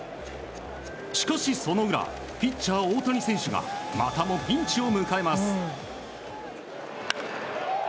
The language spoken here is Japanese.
しかし、その裏ピッチャー大谷選手がまたもピンチを迎えます。